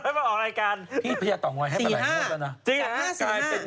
ปลาหมึกแท้เต่าทองอร่อยทั้งชนิดเส้นบดเต็มตัว